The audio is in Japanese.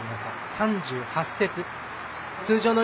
３８節。